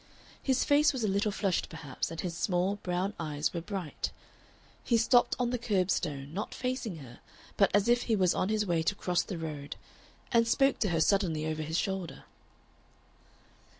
His face was a little flushed perhaps, and his small, brown eyes were bright. He stopped on the curb stone, not facing her but as if he was on his way to cross the road, and spoke to her suddenly over his shoulder.